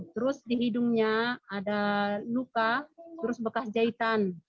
terus di hidungnya ada luka terus bekas jahitan